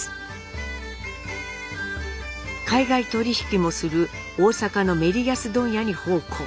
海外取引もする大阪のメリヤス問屋に奉公。